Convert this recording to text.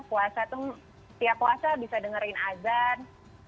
puasa tuh tiap puasa bisa dengerin azan